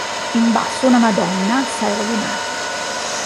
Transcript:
In basso una Madonna, assai rovinata.